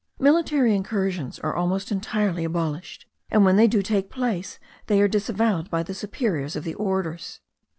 Military incursions are almost entirely abolished; and when they do take place, they are disavowed by the superiors of the orders.